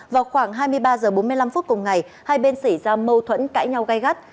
vào khoảng hai mươi ba h bốn mươi năm phút cùng ngày hai bên xảy ra mâu thuẫn cãi nhau gai gắt